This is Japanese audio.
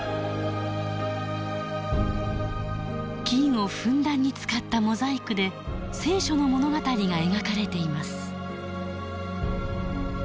金をふんだんに使ったモザイクで聖書の物語が描かれています。